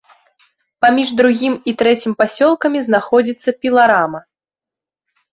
Паміж другім і трэцім пасёлкамі знаходзіцца піларама.